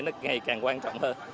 nó ngày càng quan trọng hơn